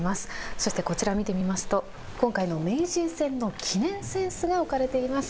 そしてこちら見てみますと今回の名人戦の記念扇子が置かれています。